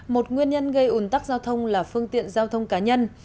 một nguyên nhân gây ủn tắc giao thông là phương tiện giao thông cá nhân